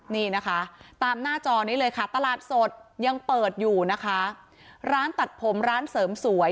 นี่นะคะตามหน้าจอนี้เลยค่ะตลาดสดยังเปิดอยู่นะคะร้านตัดผมร้านเสริมสวย